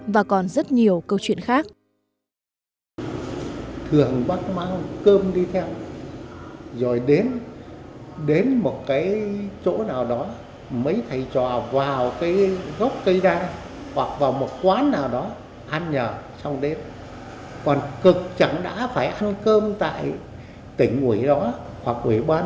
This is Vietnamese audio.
và còn rất nhiều câu chuyện khác